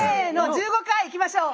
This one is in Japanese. １５回いきましょう！